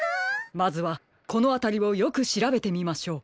まずはこのあたりをよくしらべてみましょう。